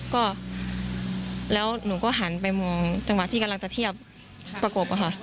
ก็แล้วหนูก็หันไปมองจังหวะที่กำลังจะเทียบประกบอะค่ะ